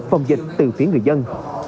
phòng dịch từ phía người dân